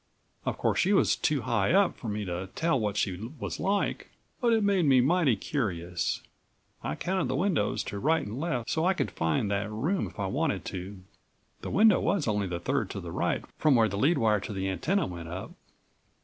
Of course she was too high up for me to tell what she was like, but it made me mighty curious. I counted the windows to right and left so I could find that room if I wanted to. The window was only the third to the right from where the lead wire to the antenna went up.